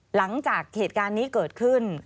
หลังจากเหตุการณ์นี้เกิดขึ้น